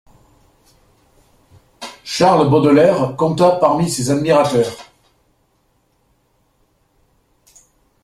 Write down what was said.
Charles Baudelaire compta parmi ses admirateurs.